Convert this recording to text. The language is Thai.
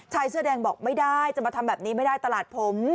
ชายเสื้อแดงบอกไม่ได้จะมาทำแบบนี้ไม่ได้ตลาดผม